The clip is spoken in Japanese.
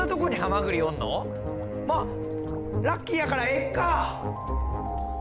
まっラッキーやからええか！